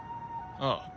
ああ。